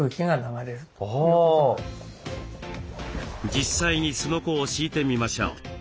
実際にすのこを敷いてみましょう。